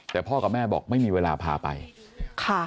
แต่พ่อกับแม่บอกไม่มีเวลาพาไปค่ะ